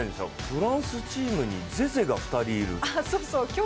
フランスチームにゼゼが２人いる。